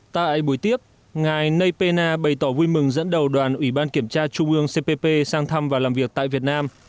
tại buổi tiếp ngài ney pena bày tỏ vui mừng dẫn đầu đoàn ủy ban kiểm tra trung ương cpp sang thăm và làm việc tại việt nam